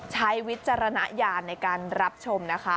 วิจารณญาณในการรับชมนะคะ